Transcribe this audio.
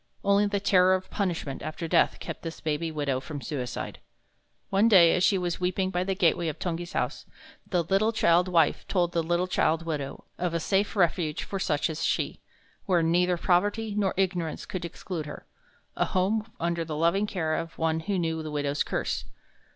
Only the terror of punishment after death kept this baby widow from suicide. One day as she was weeping by the gateway of Tungi's house, the little child wife told the little child widow of a safe refuge for such as she, where neither poverty nor ignorance could exclude her a home under the loving care of one who knew the widow's curse.